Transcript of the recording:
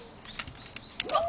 うわっ！